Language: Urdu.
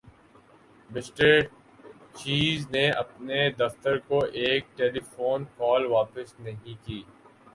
مِسٹر چِیز نے اپنے دفتر کو ایک ٹیلیفون کال واپس نہیں کی